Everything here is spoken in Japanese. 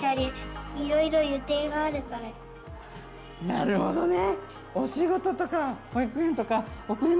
なるほどね。